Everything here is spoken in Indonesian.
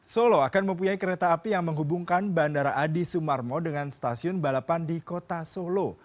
solo akan mempunyai kereta api yang menghubungkan bandara adi sumarmo dengan stasiun balapan di kota solo